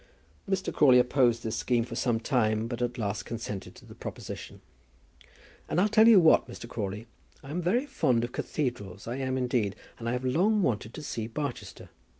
Mr. Crawley opposed this scheme for some time, but at last consented to the proposition. "And I'll tell you what, Mr. Crawley; I am very fond of cathedrals, I am indeed; and I have long wanted to see Barchester.